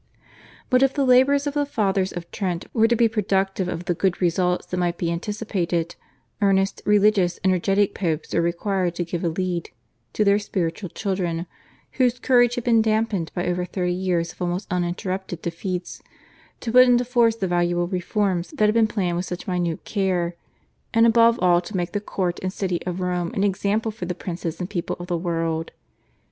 But if the labours of the Fathers of Trent were to be productive of the good results that might be anticipated, earnest, religious, energetic Popes were required to give a lead to their spiritual children, whose courage had been damped by over thirty years of almost uninterrupted defeats, to put into force the valuable reforms that had been planned with such minute care, and above all to make the court and city of Rome an example for the princes and people of the world.